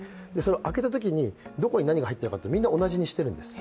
開けたときにどこに何が入ってるかってみんな同じにしているんです。